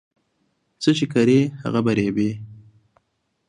څه چې کرې، هغه به ريبې